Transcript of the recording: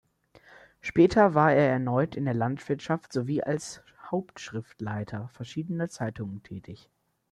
Später war er erneut in der Landwirtschaft sowie als Hauptschriftleiter verschiedener Zeitungen tätig.